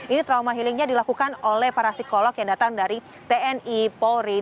ini trauma healingnya dilakukan oleh para psikolog yang datang dari tni polri